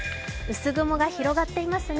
薄雲が広がっていますね。